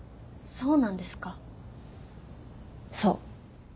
そう。